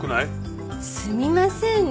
すみませんね